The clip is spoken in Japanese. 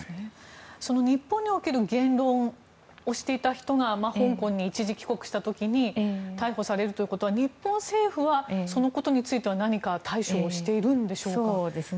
日本における言論をしていた人は香港に一時帰国した時に逮捕されるというのは日本政府はそのことについて何か対処しているんですか。